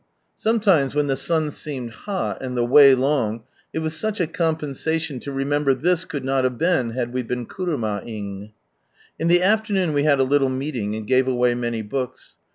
Some times when the sun seemed hot, and the way long, it was such a compensation to remember this could not have been had we been kururaaing. In the afternoon we had a little meeting and gave away many books.